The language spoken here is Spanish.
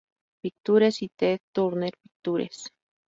Pictures y Ted Turner Pictures.